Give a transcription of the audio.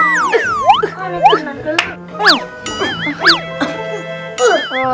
kalian itu nanggela